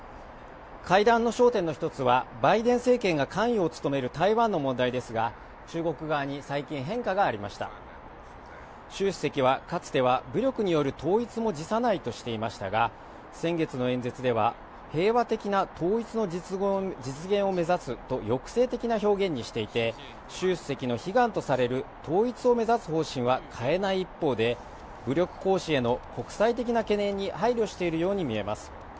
会談の焦点の一つはバイデン政権が関与を強める台湾の問題ですが中国側に最近変化がありました習主席はかつては武力による統一も辞さないとしていましたが先月の演説では平和的な統一の実現を目指すと抑制的な表現にしていて習主席の悲願とされる統一を目指す方針は変えない一方で武力行使への国際的な懸念に配慮しているように見えます